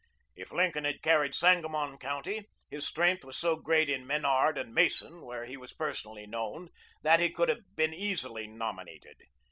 If Lincoln had carried Sangamon County, his strength was so great in Menard and Mason, where he was personally known, that he could have been easily nominated.